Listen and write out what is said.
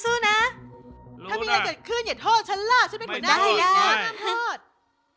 ถ้ามีอะไรจะขึ้นอย่าโทษชั้นล่ะฉันเป็นหัวหน้าไม่ใช่ไม่โทษ